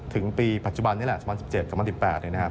ถึงปีปัจจุบันนี้แหละ๑๐๑๗๒๐๑๘เนี่ยนะครับ